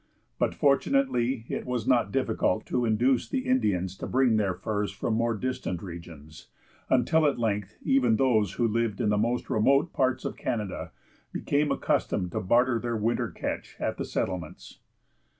But fortunately it was not difficult to induce the Indians to bring their furs from more distant regions, until at length even those who lived in the most remote parts of Canada became accustomed to barter their winter catch at the settlements.